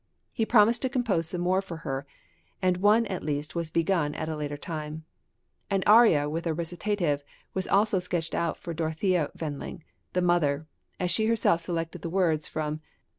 He promised to compose some more for her, and one at least was begun at a later time. An aria with recitative was also sketched out for Dorothea Wendling, the mother; she had herself selected the words from {FLUTE AND OBOE CONCERTOS.